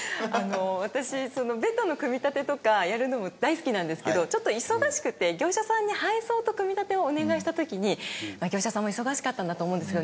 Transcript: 私ベッドの組み立てとかやるの大好きなんですけどちょっと忙しくて業者さんに配送と組み立てをお願いした時に業者さんも忙しかったんだと思うんですけど